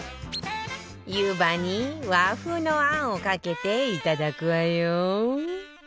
湯葉に和風のあんをかけていただくわよ